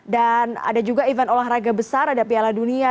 ada juga event olahraga besar ada piala dunia